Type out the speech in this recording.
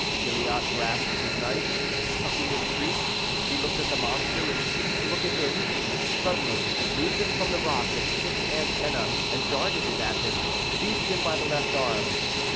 Gilliatt grasped his knife; the sucking increased. He looked at the monster, which seemed to look at him. Suddenly it loosened from the rock its sixth antenna, and darting it at him, seized him by the left arm.